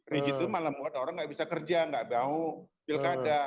rigid itu malah membuat orang nggak bisa kerja nggak mau pilkada